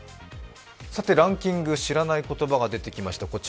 さてランキング知らない言葉が出てきました。